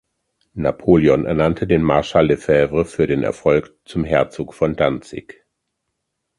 Napoleon ernannte den Marschall Lefebvre für den Erfolg zum Herzog von Danzig.